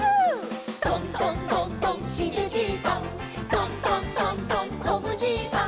「トントントントンこぶじいさん」